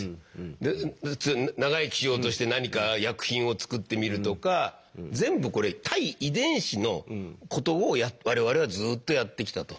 で普通長生きしようとして何か薬品を作ってみるとか全部これ対遺伝子のことを我々はずっとやってきたと。